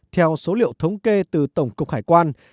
theo số liệu thống kê từ tổng cục hải quan